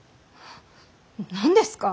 何ですか。